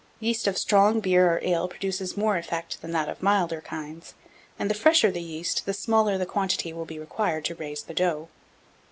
Yeast of strong beer or ale produces more effect than that of milder kinds; and the fresher the yeast, the smaller the quantity will be required to raise the dough.